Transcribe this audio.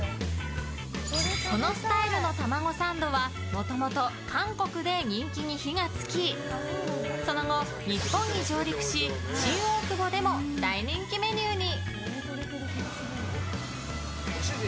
このスタイルのたまごサンドはもともと韓国で人気に火が付きその後、日本に上陸し新大久保でも大人気メニューに。